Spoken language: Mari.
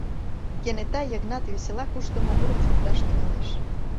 Кенета Йыгнат весела куштымо мурым шокташ тӱҥалеш.